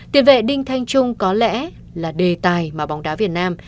tiền vệ đinh thanh trung có lẽ là đề tài mà bóng đá việt nam